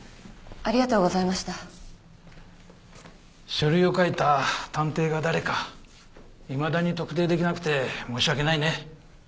書類を書いた探偵が誰かいまだに特定できなくて申し訳ないね。